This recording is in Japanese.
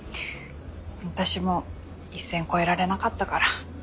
私も一線越えられなかったから。